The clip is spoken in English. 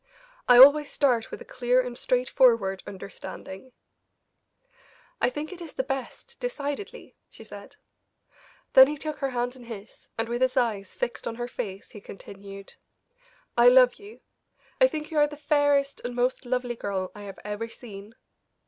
I always start with a clear and straightforward understanding." "I think it is the best, decidedly," she said. Then he took her hands in his, and with his eyes fixed on her face, he continued: "I love you; I think you are the fairest and most lovely girl I have ever seen.